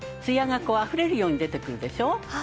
ツヤがこうあふれるように出てくるでしょ。